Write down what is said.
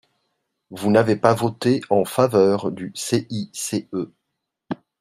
Vous n’avez pas voté en faveur du CICE